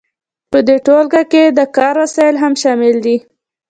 په دې ټولګه کې د کار وسایل هم شامل دي.